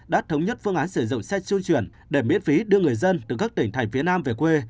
đã thống nhất phương án sử dụng xe trung chuyển để miễn phí đưa người dân từ các tỉnh thành phía nam về quê